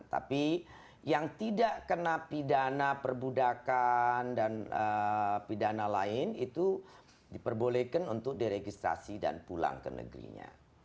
tapi yang tidak kena pidana perbudakan dan pidana lain itu diperbolehkan untuk diregistrasi dan pulang ke negerinya